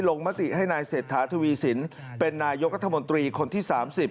มติให้นายเศรษฐาทวีสินเป็นนายกรัฐมนตรีคนที่๓๐